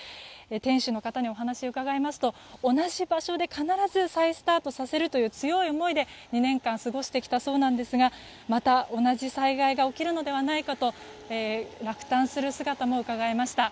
店主の方にお話を伺いますと同じ場所で必ず再スタートさせるという強い思いで２年間過ごしてきたそうなんですがまた同じ災害が起きるのではないかと落胆する姿もうかがえました。